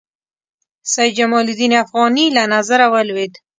سید جمال الدین افغاني له نظره ولوېد.